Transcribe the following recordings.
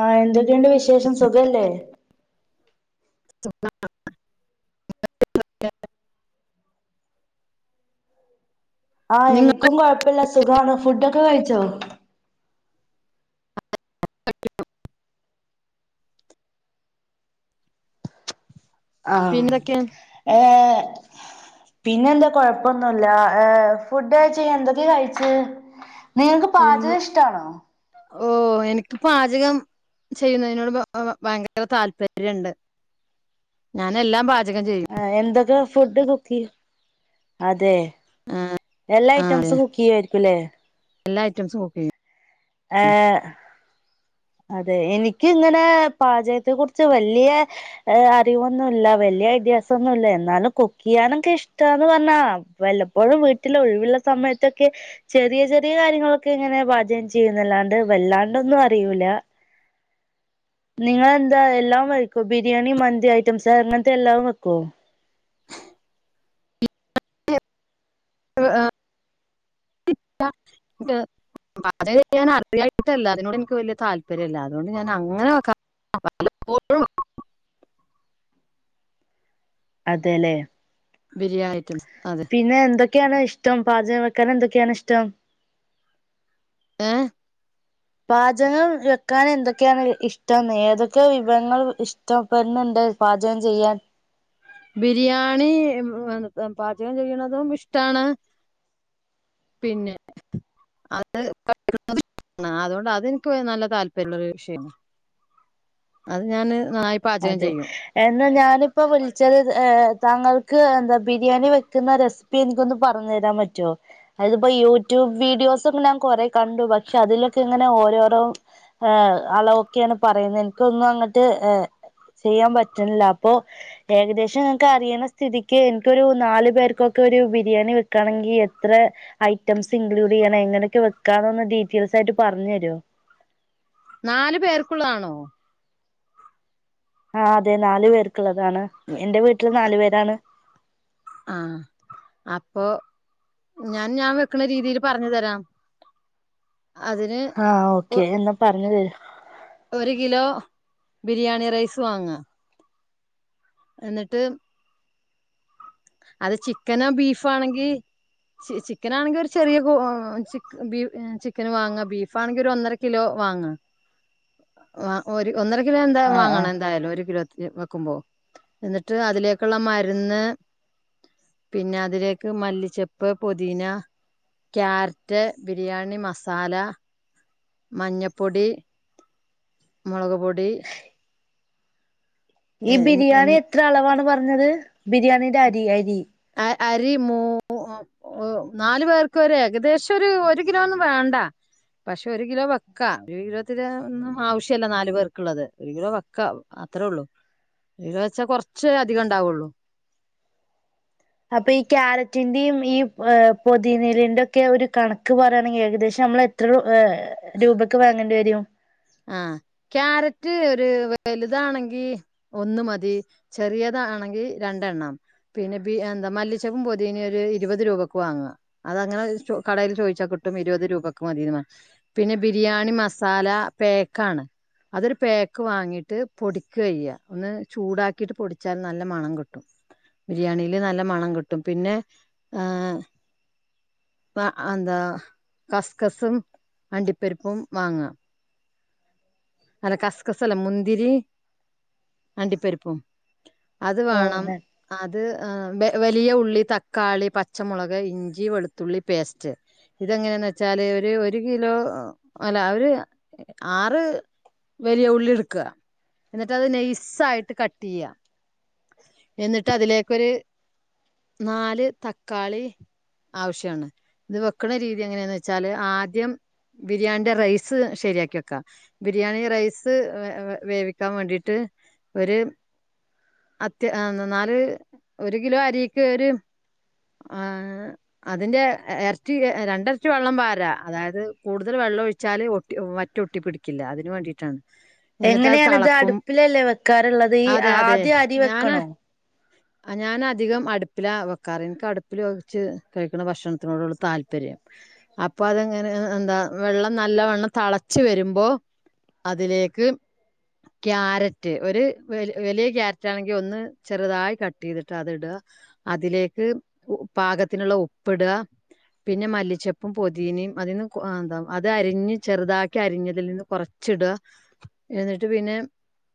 ആഹ് എന്തൊക്കെയുണ്ട് വിശേഷം സുഖല്ലേ? [unintelligible] [inaudible] ആഹ് നിങ്ങ എനിക്കും കുഴപ്പല്ല സുഗാണ് ഫുഡൊക്കെ കഴിച്ചോ? ആഹ് പിന്നെന്തൊക്കെയാ ഏഹ് [inaudible] പിന്നെന്താ കൊഴപ്പൊന്നുല്ല ഏ ഫുഡയ്ചഎന്തൊക്കെ കയിച്ച് നിങ്ങക്ക് പാചകം ഇഷ്ടാണോ? ഓഹ് എനക്ക് പാചകം ചെയ്യുന്നതിനോട് ഭ ഭ ഭയങ്കര താല്പര്യണ്ട്. ഞാനെല്ലാം പാചകം ചെയ്യും. ആഹ് എന്തൊക്ക ഫുഡ് കുക്കി അതെ എല്ലാ ഐറ്റംസും കുക്ക് ചയ്യായിരിക്കും ല്ലേ എല്ലാഐറ്റംസു കുക്കയ്യും ഏഹ് അതെ എനിക്ക് ങ്ങനെ പാചകത്തെ കുറിച്ച് വലിയ അറിവൊന്നുല്ല വലിയ ഐഡിയാസ് ന്നുല്ല എന്നാലും കുക്ക്യ്യാനൊക്കെ ഇഷ്ടന്ന് പറഞ്ഞാ വല്ലപ്പോഴും വീട്ടിലൊഴിവുള്ള സമയത്തൊക്കെ ചെറിയ ചെറിയ കാര്യങ്ങളൊക്കെ ഇങ്ങനെ പാചകം ചെയ്യുന്നല്ലാണ്ട് വല്ലാണ്ടൊന്നും അറിയൂല. [inaudible] നിങ്ങെൾ എന്താ എല്ലാം വയ്ക്കോ ബിരിയാണി മന്തി ഐറ്റംസ് അങ്ങനത്തെ എല്ലാം വെക്കോ? ആഹ് [inaudible] [unintelligible] അതായത് ഞാൻ അറിയായിട്ടല്ല [unintelligible] അതിനോട് എനിക്ക് വല്യ താല്പര്യല്ല അതുകൊണ്ട് ഞാൻ അങ്ങനെ വെക്ക വല്ലപ്പോഴും അതെലെ ബിരിയാണി ഐറ്റംസ് അതെ പിന്നെ എന്തൊക്കെയാണ് ഇഷ്ടം പാചകം വെക്കാൻ എന്തൊക്കെയാണിഷ്ടം ഏ പാചകം വെക്കാൻ എന്തൊക്കെയാണ് ഇഷ്ടംന്ന് ഏതൊക്കെ വിഭവങ്ങൾ ഇഷ്ടപ്പെുന്നുണ്ട്ന്ന് പാചകം ചെയ്യാൻ ബിരിയാണി പാചകം ചെയ്യുന്നതും ഇഷ്ടാണ്. പിന്നെ അത് [unintelligible] അതുകൊണ്ട് അതെനിക്ക് നല്ല താല്പര്യമുള്ള ഒരു വിഷയ അത് ഞാന് നായ് അതെ എന്നാ ഞാനിപ്പോ വിളിച്ചത് ഏ താങ്കൾക്ക് എന്താ ബിരിയാണി വെക്കുന്നറെസി ഇപ്പ എനിക്കൊന്ന് പറഞ്ഞു തരാൻ പറ്റുവോ? അതിപ്പോ യൂട്യൂബ് വീഡിയോസൊക്കെ ഞാൻ കൊറെ കണ്ടു പക്ഷെ അതിലൊക്കെ ഇങ്ങനെ ഓരോരോ അളവെക്കെയാണ് പറയുന്നത് എനിക്കൊന്നും അങ്ങട്ട് ചെയ്യാൻ പറ്റണില്ല അപ്പൊ ഏകദേശം നിങ്ങക്ക് അറിയണ സ്ഥിതിക്ക് എനിക്കൊരു നാലു പേർക്കൊക്കെ ഒരു ബിരിയാണി വെക്കാണെങ്കി എത്രെ ഐറ്റംസ് ഇൻക്ലൂഡെയ്യണം എങ്ങനെ ഒക്കെ വെക്കാന്ന് ഒന്ന് ഡീറ്റെൽസ് ആയിട്ട് പറഞ്ഞെരുവോ? നാല് പേർക്കുള്ളതാണോ? ആഹ് അതെ നാലു പേർക്കുള്ളതാണ് എന്റെ വീട്ടില് നാലു പേരാണ്. ആഹ് അപ്പ ഞാൻ ഞാൻ വെക്കണ രീതീല് പറഞ്ഞു തരാം. അതിന് ആഹ് ഒ ഓക്കേ എന്നാ പറഞ്ഞു തരൂ. ഒരു കിലോ ബിരിയാണി റൈസ് വാങ്ങ. എന്നിട്ട് അത് ചിക്കനോ ബീഫാണെങ്കി ച്ച് ചിക്കനാണെങ്കി ഒരു ചെറിയ കൊ ച്ച് ബീഫ്‌ ചിക്കന് വാങ്ങ ബീഫണെങ്കിൽ ഒരു ഒന്നര കിലോ വാങ്ങ. ഒരു ഒന്നര കിലോ എന്തായും ആഹ് വാങ്ങണം ആഹ് എന്തായാലും ഒരു കിലോ വെക്കുമ്പോ എന്നിട്ട് അതിലേക്കുള്ള മരുന്ന് പിന്നെ അതിലേക്ക് മല്ലിച്ചപ്പ്, പൊതീന ക്യാരറ്റ്, ബിരിയാണി മസാല മഞ്ഞപ്പൊടി മുളക്പൊടി ഈ എ ബിരിയാണി എത്ര അളവാണ് പറഞ്ഞത്. ബിരിയാണീന്റെ അരി അരി? ആ അരി മൂ ഓ നാലു പേർക്ക് ഒരു ഏകദേശം ഒരു കിലോ ഒന്നും വേണ്ട. പക്ഷെ ഒരു കിലോ വക്കാ. ഒരു കിലോത്തി ഒന്നും ആവശ്യല്ല നാലു പേർക്കുള്ളത് ഒരു കിലോ വക്ക. അത്ര ഉള്ളൂ ഒരു കിലോ വെച്ചാ കുറച്ചേ അധികം ഉണ്ടാവുള്ളൂ. അപ്പൊ ഈ ക്യാരറ്റിന്റെയും ഈ പൊതിന നീലിന്റെ ഒക്കെ ഒരു കണക്ക് പറയാണെങ്കി ഏകദേശം നമ്മള് എത്ര ഏഹ് രൂപയ്ക്ക് വാങ്ങേണ്ടി വരും? ആഹ് ക്യാരറ്റ് ഒരു വലുതാണെങ്കി ഒന്ന് മതി ചെറിയതാ ആണെങ്കി രണ്ടെണ്ണം. പിന്നെ ബി എന്താ മല്ലിച്ചക്കും പൊതിനി ഒരു ഇരുപത് രൂപക്ക് വാങ്ങ. അത് അങ്ങനെ ചോ കടയിൽ ചോയിച്ചാ കിട്ടും ഇരുപത് രൂപക്ക് മതിന്ന്. പിന്നെ ബിരിയാണി മസാല പേക്കാണ്. അതൊരു പാക്ക് വാങ്ങിട്ട് പൊടിക്കെയ്യ ഒന്ന് ചൂടാക്കിട്ട് പൊടിച്ചാൽ നല്ല മണം കിട്ടും. ബിരിയാണില് നല്ല മണം കിട്ടും പിന്നെ ആഹ് മ എന്ത കസ്കസും അണ്ടിപ്പരിപ്പും വാങ്ങ അല്ല കസക്കസല്ല മുന്തിരി അണ്ടി പരുപ്പം. അത് ഓ വേണം. അത് വലിയ ഉള്ളി തക്കാളി പച്ചമുളക് ഇഞ്ചി വെളുത്തുള്ളി പേസ്റ്റ്. ഇതെങ്ങനെന്ന് വെച്ചാല് ഒരു ഒരു കിലോ അല്ല ഒരു ആറ് വലിയ ഉള്ളി എടുക്കുക. എന്നിട്ട് അത് നെയസ് ആയിട്ട് കട്ട് ചെയ്യ. എന്നിട്ട് അതിലേക്കരു നാല് തക്കാളി. ആവശ്യമാണ്. ഇത് വെക്കണ രീതി എങ്ങനെയാന്ന് വെച്ചാല് ആദ്യം ബിരിയാണിന്റെ റൈസ് ശരിയാക്കി വെക്കാ. ബിരിയാണി റൈസ് വേവിക്കാൻ വേണ്ടിട്ട് ഒരു അത്യാ ആഹ് എന്ന നാല് ഒരു കിലോ അരിക്ക് ഒരു ആഹ് അതിന്റെ എരട്ടി രണ്ട് എരട്ടി വെള്ളം പാര അതായത് കൂടുതൽ വെള്ളം ഒഴിച്ചാല് ഒ വറ്റൊട്ടി പിടിക്കില്ല. അതിന് വേണ്ടിട്ടാണ്. എന്നിട്ട് അത് എങ്ങനെയാണ് ഇത് തളക്കും അടുപ്പിലല്ലേ വെക്കാറുള്ളത് ഈ അതെ അതെ ആദ്യം അരി ഞാന വെക്കണോ ആഹ് ഞാന് അധികം അടുപ്പില വെക്കാറ് എനിക്ക് അടുപ്പിൽ വവിച്ച് കഴിക്കുന്ന ഭക്ഷണത്തിനോടൊള്ളൂ താല്പര്യം അപ്പൊ അതെങ്ങനെ എന്താ വെള്ളം നല്ലവണ്ണം തിളച്ചു വരുമ്പോ അതിലേക്ക് ക്യാരറ്റ് ഒരു വെല് വെലിയ ക്യാരറ്റ് ആണെങ്കിൽ ഒന്ന് ചെറുതായി കട്ട് ചെയ്തിട്ട് അത്ടുക അതിലേക്ക് പാകത്തിനുള്ള ഉപ്പിടാ പിന്നെ മല്ലിച്ചപ്പും പൊതീനിം അതിൽന്ന് എന്താ അത് അരിഞ്ഞ് ചെറുതാക്കി അരിഞ്ഞതിൽ നിന്ന് കൊറ്ച്ച് ഇട. എന്നിട്ട് പിന്നെ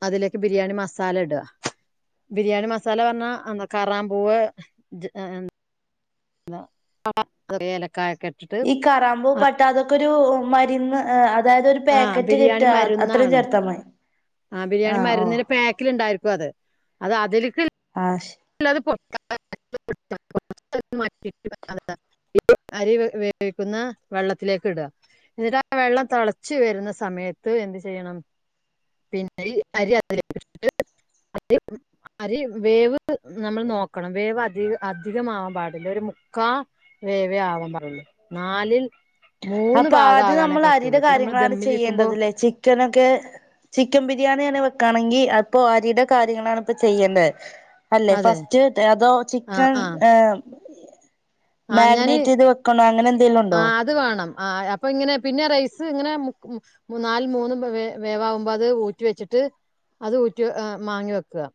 അതിലേക്ക് ബിരിയാണി മസാല ഇട ബിരിയാണി മസാല പറഞ്ഞാ എന്താ കറാമ്പൂവ് പട്ട ഏലക്കായൊക്കെ ഇട്ടിട്ട് ഈ കറാമ്പോ ആ പട്ട അതൊക്കെ ഒരു മരുന്ന് അതായതൊരു ആ പാക്കറ്റ് കിട്ട അത്രം ചേർത്താമതി ആഹ് ബിരിയാണി മരുന്നിലെ പാക്കില് ണ്ടായിരിക്കും അത് അത് അതില്ക്ക് ആഹ് അല്ലത് പൊട്ട [unintelligible] [unintelligible] ഇത് അരി വേവിക്കുന്ന വെള്ളത്തിലേക്ക് ഇട ന്നിട്ട് ആഹ് വെള്ളം തെളച്ചു വരുന്ന സമയത്ത് എന്ത്ചെയ്യണം പിന്നെ ഈ അരി അതിലേക്ക് ഇട്ടിട്ട് അരി അരി വേവ് വേവ് നമ്മൾ നോക്കണം വേവ് അധിക അധികമാവാൻ പാടില്ല ഒരു മുക്കാ വേവെ ആവാൻ പാടൊളു നാലിൽ മൂന്ന് അപ്പൊ ഭാഗം ആദ്യം ആകാനേ നമ്മൾ പറ്റുള്ളൂ അരിയുടെ പിന്നെ നമ്മൾ കാര്യങ്ങളാണ് ദമ്മിലിരിക്കുമ്പോ ചെയ്യേണ്ടത് ലേ ചിക്കനൊക്കെ ചിക്കൻ ബിരിയാണിയാണ് വെക്കാണെങ്കി അപ്പൊ അരിയുടെ കാര്യങ്ങളാണ് ഇപ്പ ചെയ്യേണ്ടേ അല്ലെ അതെ ഫസ്റ്റ് അതോ ആ ചിക്കൻ ആ ഏഹ് ആ മാഗിനേറ്റ് ചെയ്ത് വെക്ക വെക്കണോ അങ്ങനെ എന്തെലും ഉണ്ടോ ത് വേണം ആഹ് അപ്പ ഇങ്ങനെ പിന്നെ റൈസ് ഇങ്ങനെ പിന്നെ മുക്കു മുന്നാല് മൂന്നും വെ വേവവുമ്പോ അത് ഊറ്റി വെച്ചിട്ട് അത് ഊറ്റി ഏഹ് മാങ്ങി വെക്ക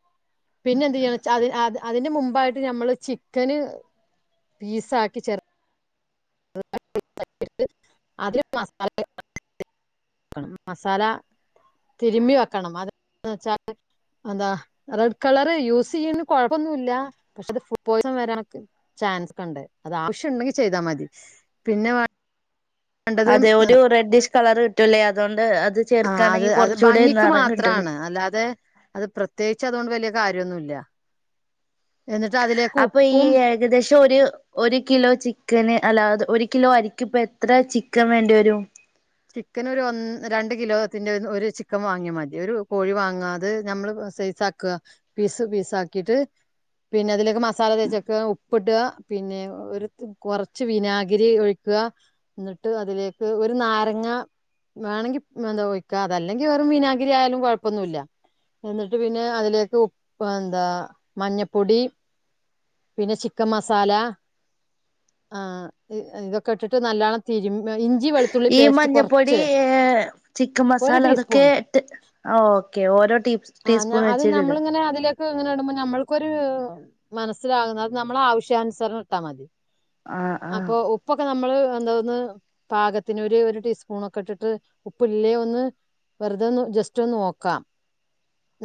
പിന്നെ എന്ത് ചെയ്യണെച്ചാ അത് ച്ചത് അത് അതിന്റെ മുമ്പായിട്ട് നമ്മള് ചിക്കന് പീസ ആക്കി ചെർത് ചേർത് പീസ് ആക്കിട്ട് അതില് മസാല തെക്ക മസാല തിരുമ്മി വെക്കണം അതന്ന് വെച്ചാല് അതാ റെഡ് കളറ് യൂസ് ചെയ്യ്ന് കൊഴപ്പൊന്നുല്ല പക്ഷെ അത് ഫുഡ് പോയ്സൺ വരാക്കാന് ചാൻസ് ക്കണ്ട് അത് ആവശ്യ ണ്ടെങ്കി ചെയ്താ മതി പിന്നെ വേണ്ടത് അതെ ഒരു റെഡ്ഡിഷ് കളർ കിട്ടല്ലേ അതോണ്ട് അത് ആഹ് അത് ചേർക്കുകയാണെങ്കിൽ അത് കുറച്ചുകൂടെ ഭംഗിക്ക് നിറം കിട്ടൂലേ മാത്രണ് അല്ലാതെ അത് പ്രത്യേകിച്ച് അതോണ്ട് വല കാര്യന്നുല്ല എന്നിട്ട് അതില് അപ്പൊ ഈ ഏകദേശം ഒര് ഒരു കിലോ ചിക്കന് അല്ലാതെ ഒരു കിലോ അരിക്ക്പ്പോ എത്ര ചിക്കൻ വേണ്ടി വരും ചിക്കൻ ഒരു ഒന്ന രണ്ട് കിലോത്തിന്റെ ഒരു ചിക്കൻ വാങ്ങിയ മതി ഒരു കോഴി വാങ്ങാ അത് ഞമ്മള് സെയ്‌സ് പീസാക്കാ പീസ് പീസ് ആക്കിട്ട് പിന്നെ അതിലെക്ക് മസാല തേച്ചക്ക ഉപ്പിട പിന്നെ ഒര് തു കൊറ്ച്ച് വിനാഗിരി ഒഴിക്ക ഒഴിക്കാ ന്നിട്ട് അതിലേക്ക് ഒര് നാരങ്ങ നാരങ്ങ വണെങ്കി പ്പ് ഒയിക്കാ അതല്ലെങ്കി വെറും വിനാഗിരി ആയാലും കൊയ്പ്പൊന്നുല്ല എന്നിട്ട് പിന്നെ അതിലേക്ക് ഉപ്പ് എന്താ മഞ്ഞപ്പൊടി പിന്നെ ചിക്കം മസാല ആഹ് ഇതൊക്കെ ഇട്ടിട്ട് നല്ലോണം തിരുമ്മ ഇഞ്ചി, വെള് ഈ മഞ്ഞപ്പൊടി ഏഹ് ചിക്കൻ ഒരു മസാല ടീസ്പൂൺ അതൊക്കെ ഇട്ട് ആഹ് ഓക്കെ ഓരോ ടീ ആ ഞാ ടീസ്പൂൺ അത് വെച്ചിട്ട് ഇടാ നമ്മളിങ്ങനെ അതിലേക്ക് ഇങ്ങനെ ഇടുമ്പം ഞ്ഞമ്മൾക്കൊരു മനസ്സിലാകുന്നത് അത് നമ്മളെ ആവശ്യാനുസരണം ഇട്ടാ മതി ആ ആ അപ്പൊ ഉ പ്പൊക്കെ നമ്മള് എന്താ ഒന്ന് പാകത്തിനു ഒരു ഒര് ടീസ്പൂണൊക്കെ ഇട്ടിട്ട് ഉപ്പില്ലേ ഒന്ന് വെറ്തെ ഒന്ന് ജസ്റ്റൊന്ന് നോക്ക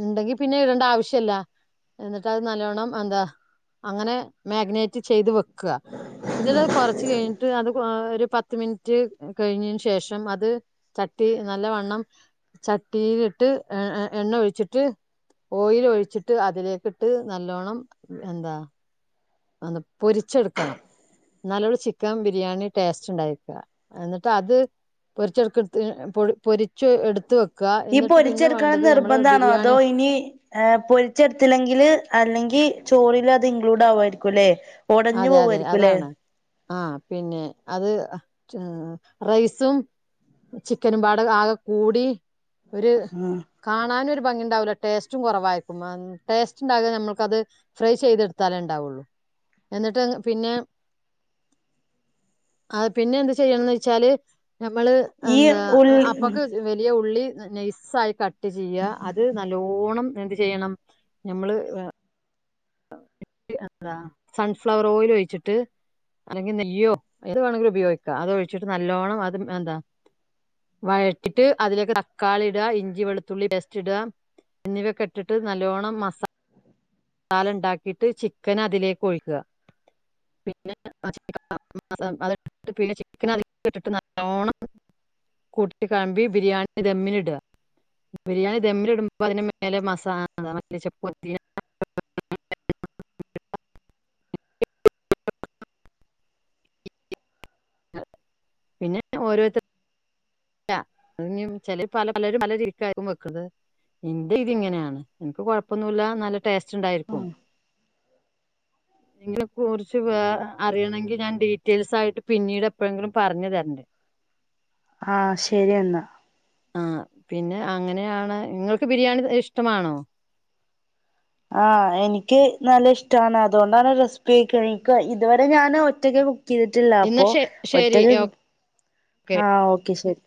ഇണ്ടെങ്കി പിന്നെ അഹ് ഇടേണ്ട ആവശ്യല്ല എന്നിട്ട് അത് നല്ലോണം എന്താ അങ്ങനെ മഗ്‌നേറ്റ് ചെയ്ത് വെക്ക എന്ന്ട്ടത് കൊറച്ച് കഴിഞ്ഞിട്ട് അത് ഒരു പത്ത് മി പത്ത് മിനിറ്റ് കഴിഞേന് ശേഷം അത് ചട്ടി നല്ലവണ്ണം ചട്ടിയില്ട്ട് എ എണ്ണ ഒഴിച്ചിട്ട് ഓയിലൊഴിച്ചിട്ട് അതിലേക്കിട്ട് നല്ലോണം എന്താ അതൊന്ന് പൊരിച്ചെടുക്കണം ഇന്നാലൊള്ളു ചിക്കൻ ബിരിയാണി ടേസ്റ്റ് ഉണ്ടായിരിക്ക എന്നിട്ടത് പൊരിച്ചെടുക്കടുത്ത് പൊ പൊരിച്ച് എടുത്ത് വെക്ക ഈ പൊര്ച്ചെടുക്കണംന്ന് നിർബന്ധാണോ? അതോ ബിരിയാണി ഇനി ഏഹ് പൊരിച്ചെടുത്തില്ലെങ്കില് അല്ലെങ്കി ചോറിലത് ഇക്ലൂഡാവുമായിരിക്കുല്ലെ? ഒടഞ്ഞു പോവായിരിക്കുല്ലേ? ആഹ് പിന്നെ അത് റൈസും ചിക്കനും പാടെ ആകെ കൂടി ഒരു ആ കാണാനും ഒരു ഭംഗിണ്ടാവൂല ടേസ്റ്റും കൊറവായിക്കും ടേസ്റ്റ്ണ്ടാക നമ്മൾക്കത് ഫ്രൈ ചെയ്തെടുത്താലേ ഇണ്ടാവൊള്ളൂ. എന്നിട്ട് അത് പിന്നെ. അഹ് പിന്നെന്ത് ചെയ്യണംന്ന് വെച്ചാല് നമ്മള് ഈ എന്താ ഉള്ളി അപ്പൊക്ക്. വലിയ ഉള്ളി നൈസായി കട്ട് ചെയ്യ അത് നല്ലോണം ന എന്ത് ചെയ്യണം നമ്മള് വേ എന്താ സൺഫ്ലവർ ഓയിൽ ഒഴിച്ചിട്ട്. അല്ലെങ്കി നെയ്യോ, എന്ത് വേണെങ്കിലും ഉപയോഗിക്കാം അത് ഒഴിച്ചിട്ട് നല്ലോണം അത് എന്താ. വഴറ്റിട്ട് അതിലേക്ക് തക്കാളിയിടാ ഇഞ്ചി വെളുത്തുള്ളി പേസ്റ്റ് ഇടാ എന്നിവയ്ക്കെ ഇട്ടിട്ട് നല്ലോണം മസാ സാല ഇണ്ടാക്കിയിട്ട് ചിക്കൻ അതിലേക്ക് ഒഴിക്ക പിന്നെ ആഹ് ചിക്കൻ മസാല അത് ഇട്ട്ട്ട് പിന്നെ ചിക്കൻ അതിലേക് ഇട്ടിട്ട് നല്ലോണം. കൂട്ടിക്കാണ്ട് ബിരിയാണി ദമ്മിനിട. ബിരിയാണി ദമ്മില് ഇടുമ്പോ അതിന്റെ മേലെ മസാല എന്ത മല്ലി ചെപ്പോ [inaudible] പിന്നെ ഓരോരുത്ത ക്ക ഇഞ് ചെലര് പല പലരും പല രീതിക്കായ്ക്കും വെക്ക്ണത്. ഇന്റെ രീതി ഇങ്ങനെയാണ് ഇൻക്ക് കൊഴപ്പൊന്നുല്ല നല്ല ടേസ്റ്റ്ണ്ടായിരിക്കും. ഇതിനെ കുറിച്ച് വേറെ അറിയണെങ്കില് ഞാൻ ഡീറ്റെയിൽസായിട്ട് പിന്നീട് എപ്പഴെങ്കിലും പറഞ്ഞു തരണ്ട്. ആഹ് ശരിയെന്നാ. ആഹ് പിന്നെ അങ്ങനെയാണ് ഇങ്ങൾക്ക് ബിരിയാണി ഇഷ്ടമാണോ? ആഹ് എനിക്ക് നല്ല ഇഷ്ട്ടാവാണ് അതുകൊണ്ടാണ് റെസിപ്പി ചോയ്ക്ക്ണ് ഇൻക്ക് ഇതുവരെ ഞാൻ ഒറ്റക്ക് കു ക്കീതിട്ടില്ല എന്നാ അപ്പൊ ശ ശരി ഒറ്റക്ക് കു ഓക്കെ ആഹ് ഓക്കെ ശരി.